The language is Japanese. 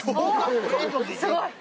すごい。